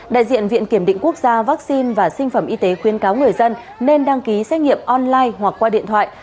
đại diện viện kiểm định quốc gia vaccine và sinh phẩm y tế khuyên cáo người dân nên đăng ký xét nghiệm online hoặc qua điện thoại